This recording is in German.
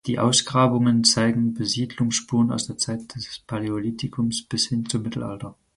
Die Ausgrabungen zeigen Besiedlungsspuren aus der Zeit des Paläolithikums bis hin zum Mittelalter.